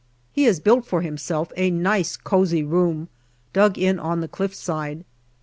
He has built for himself a nice cosy room, dug in on the cliff side.